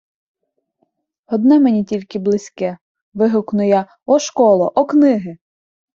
Одне мені тільки близьке, вигукну я: о школо, о книги!